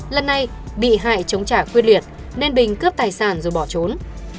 lần này bị hại chống trả quyết liệt nên bình cướp tài sản rồi bỏ trốn